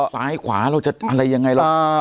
ซ้ายความีจะอะไรว่างัย